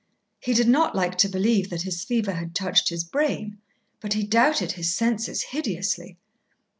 He did not like to believe that his fever had touched his brain, but he doubted his senses hideously.